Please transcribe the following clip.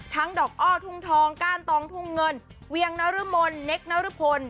ดอกอ้อทุ่งทองก้านตองทุ่งเงินเวียงนรมนเนคนรพล